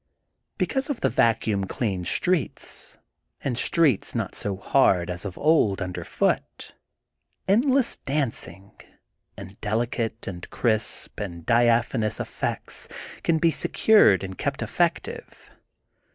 Because of the vacuum cleaned streets and streets not so hard as of old underfoot, endless dancing and delicate and crisp and diaphanous effects can be secured and kept effective.